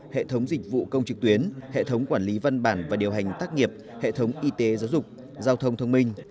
hệ thống dịch vụ công trực tuyến hệ thống quản lý văn bản và điều hành tác nghiệp hệ thống y tế giáo dục giao thông thông minh